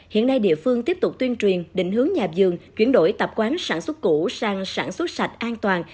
hiện nay địa phương tiếp tục tuyên truyền định hướng nhà vườn chuyển đổi tạp quán sản xuất cũ sang sản xuất sạch an toàn